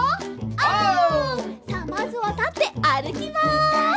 さあまずはたってあるきます！